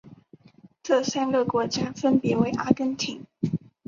这三个国家分别为阿根廷。